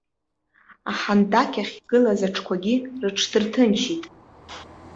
Аҳандақь ахь игылаз аҽқәагьы рыҽдырҭынчит.